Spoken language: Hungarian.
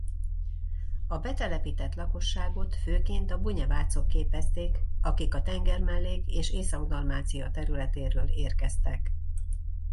A betelepített lakosságot főként a bunyevácok képezték akik a Tengermellék és Észak-Dalmácia területéről érkeztek.